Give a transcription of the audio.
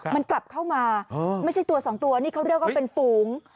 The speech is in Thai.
มันกลับเข้ามาไม่ใช่ตัวสองตัวนี่เขาเรียกว่าเป็นฝูง